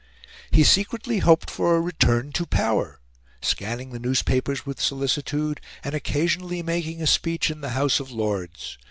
He secretly hoped for a return to power, scanning the newspapers with solicitude, and occasionally making a speech in the House of Lords.